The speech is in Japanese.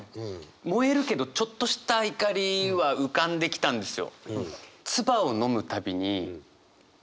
燃えるけどちょっとした怒りは浮かんできたんですよ。